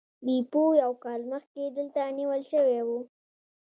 بیپو یو کال مخکې دلته نیول شوی و.